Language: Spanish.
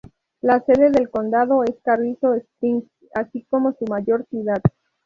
La sede del condado es Carrizo Springs, así como su mayor ciudad.